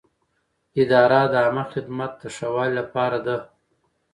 اداره د عامه خدمت د ښه والي لپاره ده.